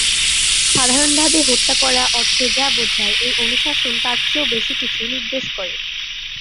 সাধারণভাবে হত্যা করা অর্থে যা বোঝায় এই অনুশাসন তার চেয়েও বেশি কিছু নির্দেশ করে।